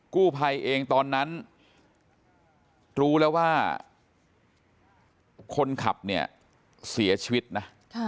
กู้ภัยเองตอนนั้นรู้แล้วว่าคนขับเนี่ยเสียชีวิตนะ